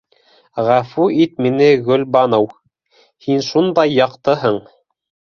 Ғәфү ит мине, Гөлбаныу... һин шундай яҡтыһың!